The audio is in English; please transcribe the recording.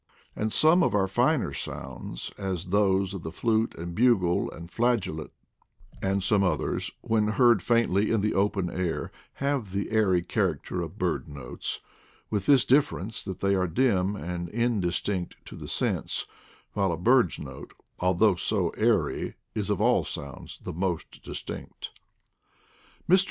And some of our finer sounds, as those of the flute and bugle and flageolet, and some others, when heard faintly in the open air, have the airy character of bird notes ; with this difference, that they are dim and indistinct to the sense, while the bird's note, although so airy, is of all sounds the most distinct. Mr.